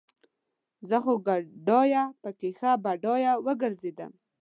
زه خو ګدايه پکې ښه بډايه وګرځېدم